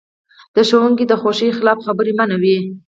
د ښوونکي د خوښې خلاف خبرې منع وې.